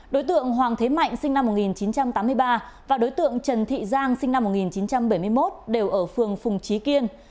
đối tượng hoàng thế mạnh sinh năm một nghìn chín trăm tám mươi ba và đối tượng trần thị giang sinh năm một nghìn chín trăm bảy mươi một đều ở phường phùng trí kiên